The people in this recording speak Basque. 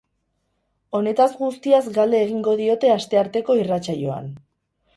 Honetaz guztiaz galde egingo diote astearteko irratsaioan.